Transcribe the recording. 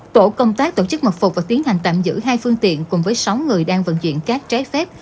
tổ công tác tổ chức mật phục và tiến hành tạm giữ hai phương tiện cùng với sáu người đang vận chuyển cát trái phép